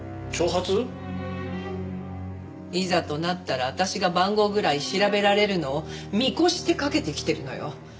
いざとなったら私が番号ぐらい調べられるのを見越して掛けてきてるのよ。